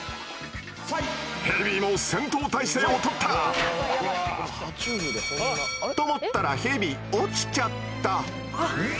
ヘビも戦闘態勢をとった！と思ったらヘビ落ちちゃった！